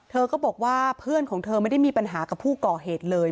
เธอก็บอกว่าเพื่อนของเธอไม่ได้มีปัญหากับผู้ก่อเหตุเลย